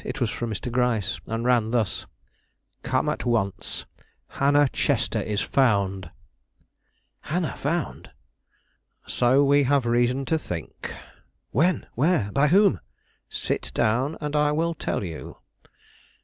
It was from Mr. Gryce, and ran thus: "Come at once; Hannah Chester is found." "Hannah found?" "So we have reason to think." "When? where? by whom?" "Sit down, and I will tell you."